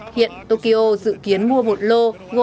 hiện tokyo dự kiến mua một lô